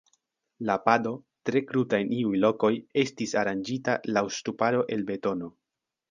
La pado, tre kruta en iuj lokoj, estis aranĝita laŭ ŝtuparo el betono.